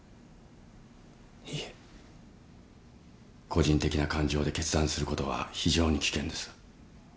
個人的な感情で決断することは非常に危険です。